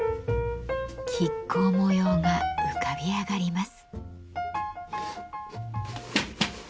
亀甲模様が浮かび上がります。